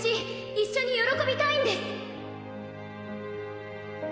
一緒に喜びたいんです